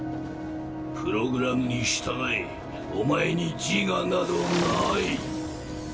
プログラムに従えお前に自我などない。